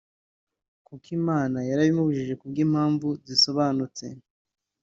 kuko Imana yarabibujije ku bw’impamvu zisobanutse